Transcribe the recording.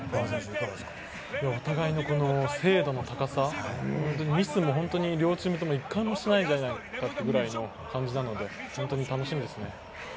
お互いのこの精度の高さ、ミスも本当に両チームとも１回もしていないんじゃないかというぐらいの感じなので、本当に楽しみですね。